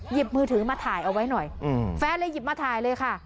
หยิบมือถือมาถ่ายเอาไว้หน่อยแฟนเลยหยิบมาถ่ายเลยค่ะ